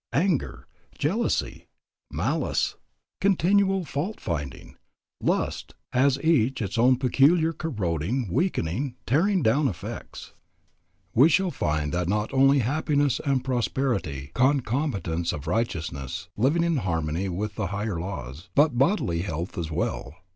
Anger, jealousy, malice, continual fault finding, lust, has each its own peculiar corroding, weakening, tearing down effects. We shall find that not only are happiness and prosperity concomitants of righteousness, living in harmony with the higher laws, but bodily health as well.